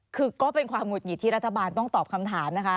คือก็เป็นความหุดหงิดที่รัฐบาลต้องตอบคำถามนะคะ